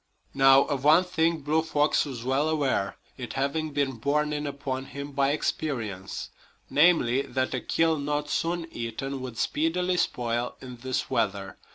Now, of one thing Blue Fox was well aware, it having been borne in upon him by experience viz., that a kill not soon eaten would speedily spoil in this weather.